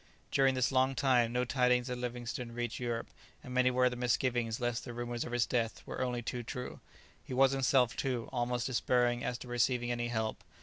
During this long time no tidings of Livingstone reached Europe, and many were the misgivings lest the rumours of his death were only too true. He was himself, too, almost despairing as to receiving any help.